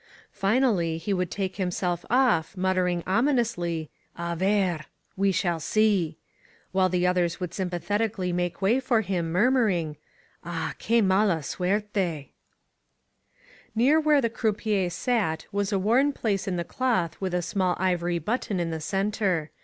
Finally he would take himself off, mutter ing ominously : A verl We shall see ! while the others would sympathetically make way for him, murmuring: AM Que mala suerteF* Near where the croupier sat was a worn place in the cloth with a small ivory button in the center.